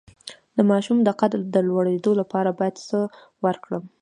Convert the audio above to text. د ماشوم د قد د لوړیدو لپاره باید څه ورکړم؟